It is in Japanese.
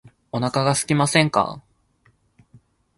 お腹がすきませんか